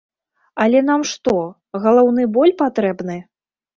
Але нам што, галаўны боль патрэбны?